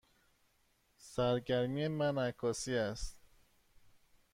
سرگرمی من عکاسی است.